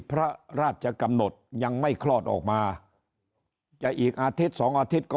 พระราชกำหนดยังไม่คลอดออกมาจะอีกอาทิตย์สองอาทิตย์ก็